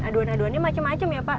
aduan aduannya macem macem ya pak